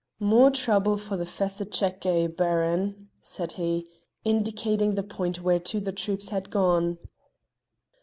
"More trouble for the fesse checkey, Baron," said he, indicating the point whereto the troops had gone.